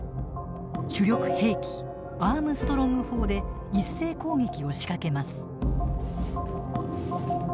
主力兵器アームストロング砲で一斉攻撃を仕掛けます。